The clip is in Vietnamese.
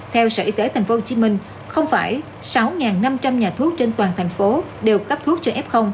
theo sở y tế tp hcm không phải sáu năm trăm linh nhà thuốc trên toàn thành phố đều cấp thuốc cho f